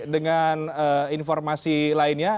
dengan informasi lainnya